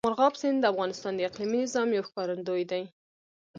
مورغاب سیند د افغانستان د اقلیمي نظام یو ښکارندوی دی.